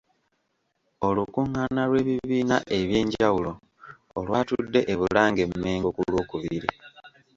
Olukungaana lw'ebibiina ebyenjawulo olwatudde e Bulange- Mmengo ku lwokubiri.